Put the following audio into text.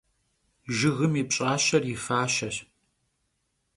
Jjıgım yi pş'aşer yi faşeş.